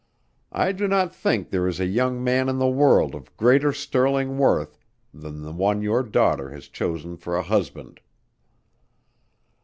I do not think there is a young man in the world of greater sterling worth than the one your daughter has chosen for a husband."